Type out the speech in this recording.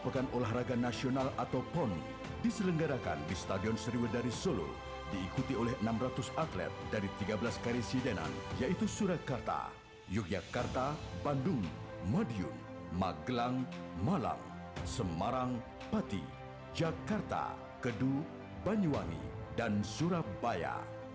pori adalah atlet nasional atau poni diselenggarakan di stadion seriwa dari solo diikuti oleh enam ratus atlet dari tiga belas karisidenan yaitu surakarta yogyakarta bandung madiun magelang malang semarang pati jakarta keduh banyuwangi dan surabaya